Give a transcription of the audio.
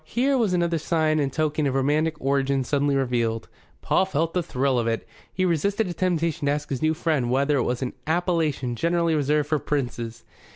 Here was another sign and token of romantic origin suddenly revealed. Paul felt the thrill of it. He resisted a temptation to ask his new friend whether it was an appellation generally reserved for princes.